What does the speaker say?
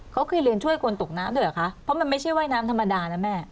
เขาเคยเรียนช่วยคนตกน้ำด้วยเหรอคะเพราะมันไม่ใช่ว่ายน้ำธรรมดานะแม่